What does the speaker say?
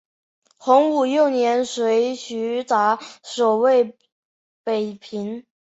洪武六年随徐达守卫北平。